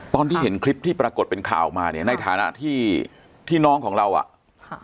ตอนที่เห็นคลิปที่ปรากฏเป็นข่าวออกมาเนี่ยในฐานะที่ที่น้องของเราอ่ะค่ะ